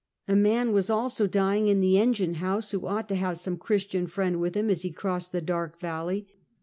A man was also dying in the engine house, who ought to have some Christian friend with him as he crossed the dark valley.